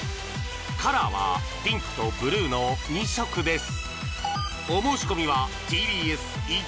カラーはピンクとブルーの２色です